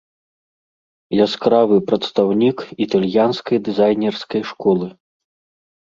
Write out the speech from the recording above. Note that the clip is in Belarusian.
Яскравы прадстаўнік італьянскай дызайнерскай школы.